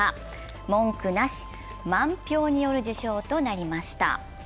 文句なし、満票による受賞となりしまた。